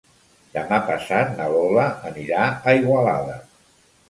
Demà passat na Lola anirà a Igualada.